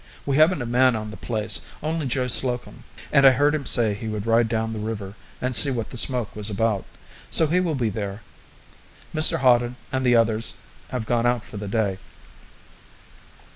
"We haven't a man on the place, only Joe Slocombe, and I heard him say he would ride down the river and see what the smoke was about; so he will be there. Mr Hawden and the others have gone out for the day.